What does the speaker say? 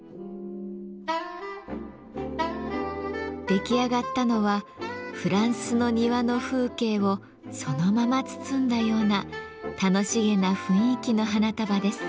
出来上がったのはフランスの庭の風景をそのまま包んだような楽しげな雰囲気の花束です。